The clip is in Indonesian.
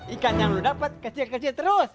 ikan yang lo dapat kecil kecil terus